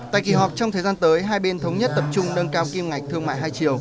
tại kỳ họp trong thời gian tới hai bên thống nhất tập trung nâng cao kim ngạch thương mại hai chiều